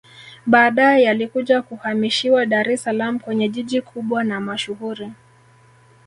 Baadae yalikuja kuhamishiwa Dar es salaam kwenye jiji kubwa na mashuhuri